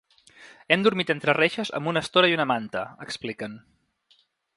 Hem dormit entre reixes amb una estora i una manta, expliquen.